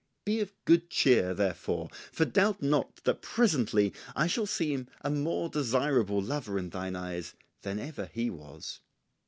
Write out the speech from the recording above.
Be of good cheer, therefore, for doubt not that presently I shall seem a more desirable lover in thine eyes than ever he was."